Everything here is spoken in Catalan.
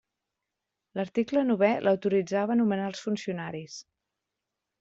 L'article novè l'autoritzava a nomenar els funcionaris.